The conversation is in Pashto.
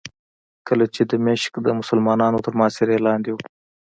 کله چې دمشق د مسلمانانو تر محاصرې لاندې و.